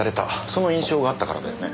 その印象があったからだよね。